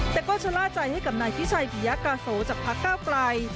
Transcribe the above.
แต่ก็ชะล่าใจให้กับนายพิชัยปิยกาโสจากพักเก้าไกล